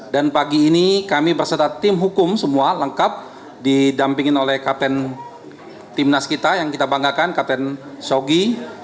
dan pagi ini kami berserta tim hukum semua lengkap didampingin oleh kapten timnas kita yang kita banggakan kapten sogi